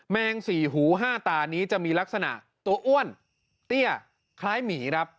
แมงสี่หูห้าตานี้จะมีลักษณะตัวอ้วนเตี้ยคล้ายหมีครับ